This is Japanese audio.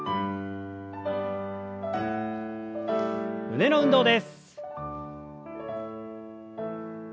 胸の運動です。